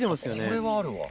これはあるわ。